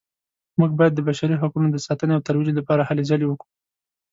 موږ باید د بشري حقونو د ساتنې او ترویج لپاره هلې ځلې وکړو